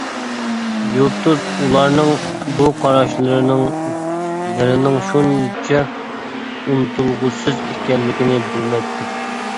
يۇلتۇز ئۇلارنىڭ بۇ قاراشلىرىنىڭ نېرىنىڭ شۇنچە ئۇنتۇلغۇسىز ئىكەنلىكىنى بىلمەيتتى.